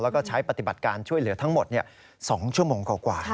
แล้วก็ใช้ปฏิบัติการช่วยเหลือทั้งหมด๒ชั่วโมงกว่า